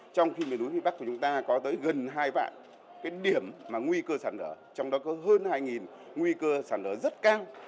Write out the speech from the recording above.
trong khi miền núi phía bắc của chúng ta có tới gần hai vạn cái điểm mà nguy cơ sạt lở trong đó có hơn hai nguy cơ sạt lở rất cao